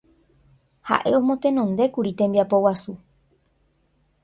Ha'e omotenondékuri tembiapo guasu